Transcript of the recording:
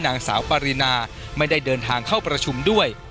นางสาวปารีนาไม่ได้เดินทางเข้าประชุมด้วย